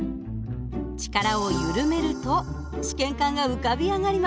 力を緩めると試験管が浮かび上がります。